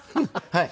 はい。